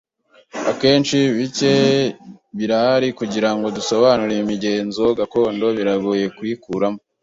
Akenshi, bike birahari kugirango dusobanure imigenzo gakondo biragoye kuyikuramo.